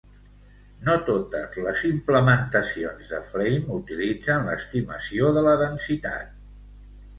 No totes les implementacions de Flame utilitzen l'estimació de la densitat.